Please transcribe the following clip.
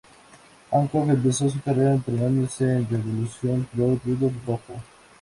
Hancock empezó su carrera entrenándose en Revolution Pro Rudos Dojo.